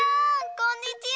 こんにちは。